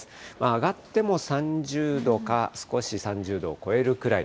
上がっても３０度か、少し３０度を超えるくらい。